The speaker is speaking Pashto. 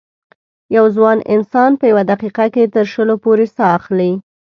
یو ځوان انسان په یوه دقیقه کې تر شلو پورې سا اخلي.